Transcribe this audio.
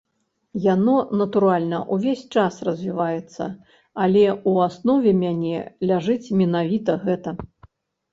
Яно, натуральна, увесь час развіваецца, але ў аснове мяне ляжыць менавіта гэта.